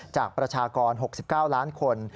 ประชากร๖๙ล้านคน